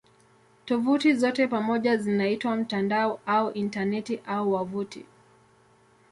Tovuti zote pamoja zinaitwa "mtandao" au "Intaneti" au "wavuti".